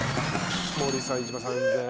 森さん１万３，０００円。